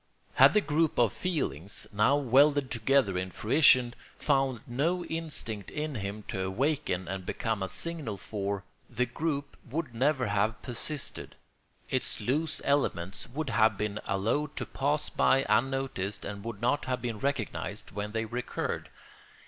Had the group of feelings, now welded together in fruition, found no instinct in him to awaken and become a signal for, the group would never have persisted; its loose elements would have been allowed to pass by unnoticed and would not have been recognised when they recurred.